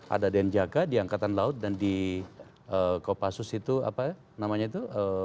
ada denjaka di angkatan laut dan di kopassus itu apa namanya itu